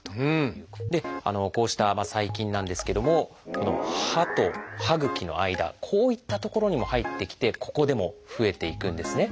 こうした細菌なんですけどもこの歯と歯ぐきの間こういった所にも入ってきてここでも増えていくんですね。